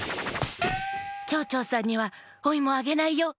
「ちょうちょうさんにはおイモあげないよ！」。